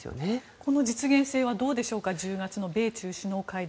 この実現性はどうでしょう１０月の米中首脳会談。